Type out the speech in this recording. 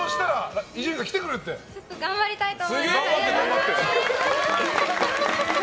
頑張りたいと思います！